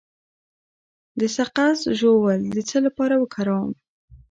د سقز ژوول د څه لپاره وکاروم؟